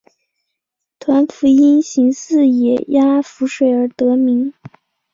凫庄因形似野鸭浮水而得名。